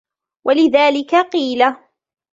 وَلِذَلِكَ قِيلَ